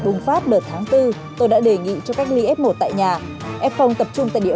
bùng phát đợt tháng bốn tôi đã đề nghị cho cách ly f một tại nhà f tập trung tại địa